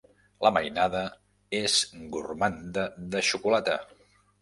La mainada és gormanda de xocolata.